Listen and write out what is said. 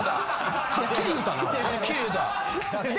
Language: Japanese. はっきり言うたなお前。